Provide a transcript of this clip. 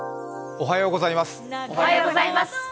おはようございます。